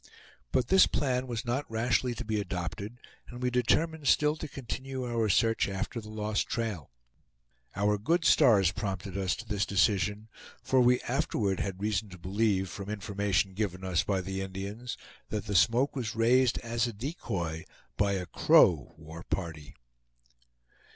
But this plan was not rashly to be adopted, and we determined still to continue our search after the lost trail. Our good stars prompted us to this decision, for we afterward had reason to believe, from information given us by the Indians, that the smoke was raised as a decoy by a Crow war party.